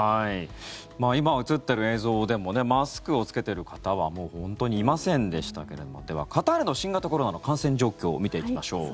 今、映っている映像でもマスクを着けている方は本当にいませんでしたけどもでは、カタールの新型コロナの感染状況を見ていきましょう。